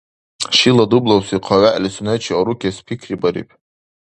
Шила дублабси хъа вегӀли сунечи арукес пикрибариб.